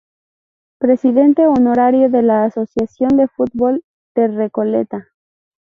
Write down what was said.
Presidente honorario de la Asociación de Fútbol de Recoleta.